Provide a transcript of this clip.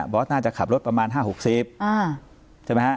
อสน่าจะขับรถประมาณ๕๖๐ใช่ไหมฮะ